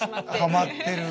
ハマってる。